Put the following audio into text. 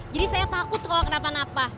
jadi saya takut kalau kenapa napa